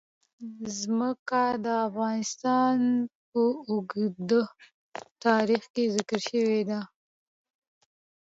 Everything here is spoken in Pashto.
ځمکه د افغانستان په اوږده تاریخ کې ذکر شوی دی.